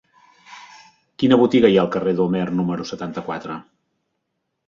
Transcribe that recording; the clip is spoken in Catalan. Quina botiga hi ha al carrer d'Homer número setanta-quatre?